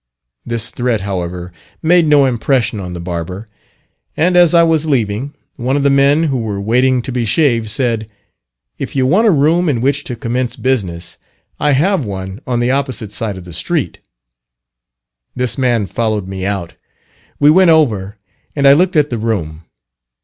This threat, however, made no impression on the barber; and as I was leaving, one of the men who were waiting to be shaved said, "If you want a room in which to commence business, I have one on the opposite side of the street." This man followed me out; we went over, and I looked at the room.